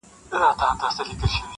او مرغانو ته ایږدي د مرګ دامونه -